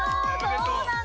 そうなの。